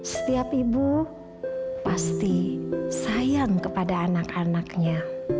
setiap ibu pasti sayang kepada anak anaknya